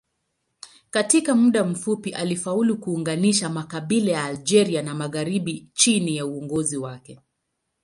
Katika muda mfupi alifaulu kuunganisha makabila ya Algeria ya magharibi chini ya uongozi wake.